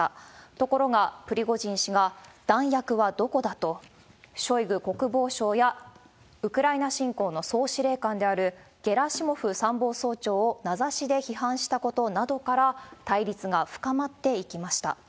ところが、プリゴジン氏が、弾薬はどこだと、ショイグ国防相や、ウクライナ侵攻の総司令官であるゲラシモフ参謀総長を名指しで批判したことなどから、対立が深まっていきました。